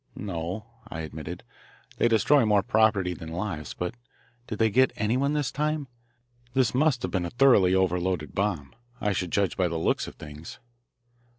"No," I admitted. "They destroy more property than lives. But did they get anyone this time? This must have been a thoroughly overloaded bomb, I should judge by the looks of things."